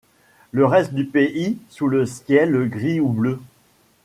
Le reste du pays, sous le ciel gris ou bleu